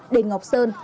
đền ngọc sơn